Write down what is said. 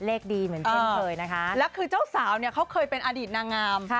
ดีเหมือนเช่นเคยนะคะแล้วคือเจ้าสาวเนี่ยเขาเคยเป็นอดีตนางงาม